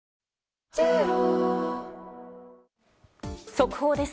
速報です。